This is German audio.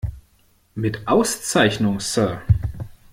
Mit Auszeichnung, Sir!